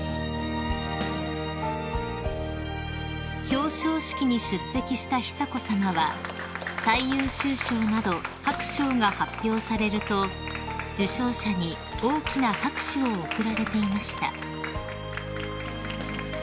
［表彰式に出席した久子さまは最優秀賞など各賞が発表されると受賞者に大きな拍手を送られていました］